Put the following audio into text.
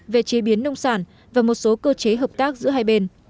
về chế biến nông sản và một số cơ chế hợp tác giữa hai bên